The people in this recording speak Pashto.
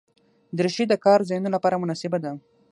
دریشي د کار ځایونو لپاره مناسبه ده.